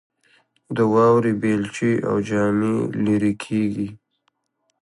د واورې بیلچې او جامې لیرې کیږي